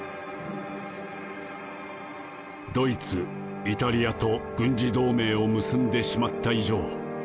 ドイツイタリアと軍事同盟を結んでしまった以上